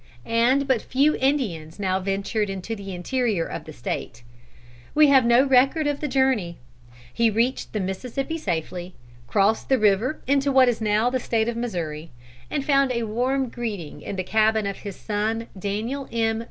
And but few Indians now ventured into the interior of the State. We have no record of the journey. He reached the Mississippi safely, crossed the river into what is now the State of Missouri, and found a warm greeting in the cabin of his son Daniel M.